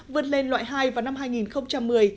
vươn lên loại hai vào năm hai nghìn một mươi